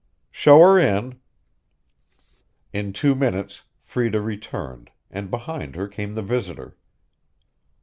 "Show her in." In two minutes Freda returned, and behind her came the visitor.